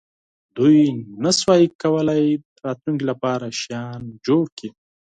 دوی نشوای کولای راتلونکې لپاره شیان تولید کړي.